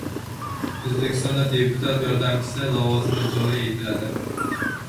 O‘zbekistonda deputat yordamchisi lavozimi joriy etiladi